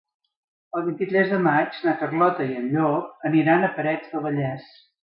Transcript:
El vint-i-tres de maig na Carlota i en Llop aniran a Parets del Vallès.